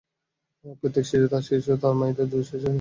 প্রত্যেকে তা শিশু মায়ের দুধ চুষে খাওয়ার ন্যায় চুষে খেত।